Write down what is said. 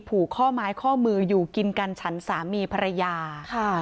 ผูกข้อไม้ข้อมืออยู่กินกันฉันสามีภรรยาค่ะ